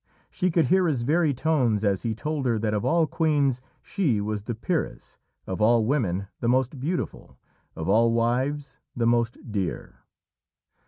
She could hear his very tones as he told her that of all queens she was the peeress, of all women the most beautiful, of all wives the most dear.